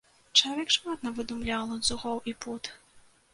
Чалавек шмат навыдумляў ланцугоў і пут!